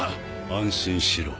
安心しろ。